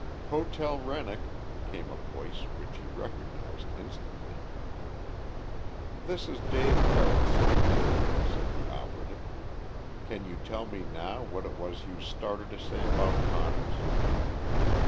"Hotel Rennoc," came a voice which he recognized instantly. "This is Dave Carroll speaking," said the operative. "Can you tell me now what it was you started to say about Conner's?"